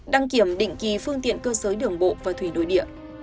đăng kiểm định kỳ phương tiện cơ giới đường bộ và thủy nội địa